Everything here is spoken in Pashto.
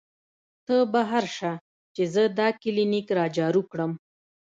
تۀ بهر شه چې زۀ دا کلینک را جارو کړم " ـ